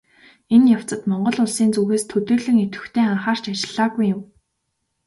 Энэ явцад Монгол Улсын зүгээс төдийлөн идэвхтэй анхаарч ажиллаагүй юм.